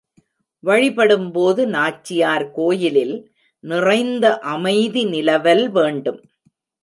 வழிபடும்போது நாச்சியார் கோயிலில் நிறைந்த அமைதி நிலவல் வேண்டும்.